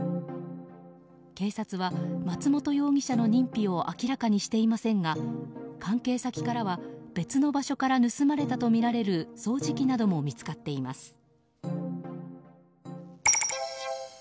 警察は松本容疑者の認否を明らかにしていませんが関係先からは別の場所から盗まれたとみられる掃除機なども見つかっています。